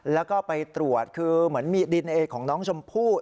แล้วก็ไปตรวจคือเหมือนมีดินเอของน้องชมพู่